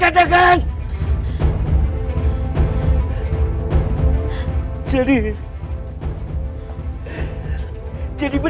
sudah mendenang shiraimu